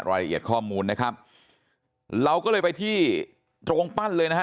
รายละเอียดข้อมูลนะครับเราก็เลยไปที่โรงปั้นเลยนะฮะ